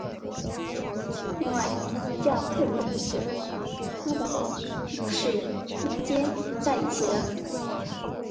另外较特别的是它的与是连接在一起的。